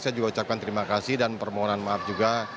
saya juga ucapkan terima kasih dan permohonan maaf juga